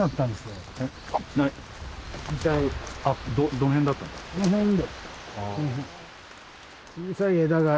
どの辺だったんですか？